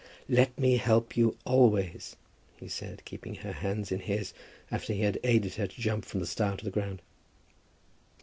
"Let me help you always," he said, keeping her hands in his after he had aided her to jump from the stile to the ground.